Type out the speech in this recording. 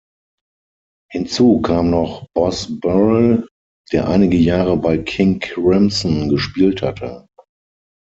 Hinzu kam noch Boz Burrell, der einige Jahre bei King Crimson gespielt hatte.